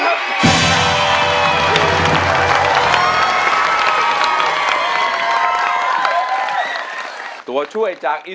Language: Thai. จะสู้หรือจะหยุดครับ